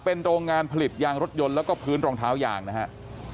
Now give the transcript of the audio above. เป็นโรงงานผลิตยางรถยนต์แล้วก็พื้นรองเท้ายางนะฮะ